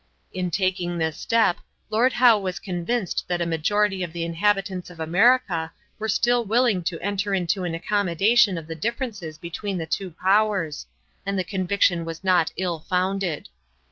In taking this step, Lord Howe was convinced that a majority of the inhabitants of America were still willing to enter into an accommodation of the differences between the two powers, and the conviction was not ill founded.